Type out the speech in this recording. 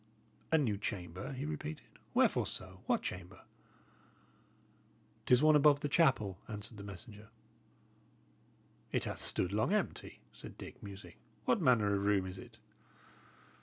"A new chamber?" he repeated. "Wherefore so? What chamber?" "'Tis one above the chapel," answered the messenger. "It hath stood long empty," said Dick, musing. "What manner of room is it?"